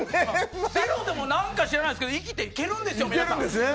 ゼロでも何か知らないですけど生きていけるんですよ！